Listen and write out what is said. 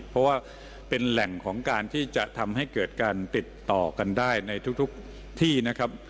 เพราะว่าเป็นแหล่งของการที่จะทำให้เกิดการติดต่อกันได้ในทุกที่นะครับ